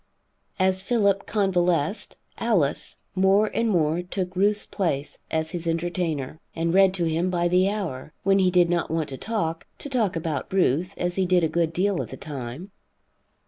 As Philip convalesced, Alice more and more took Ruth's place as his entertainer, and read to him by the hour, when he did not want to talk to talk about Ruth, as he did a good deal of the time.